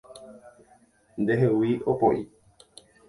Ndehegui opoi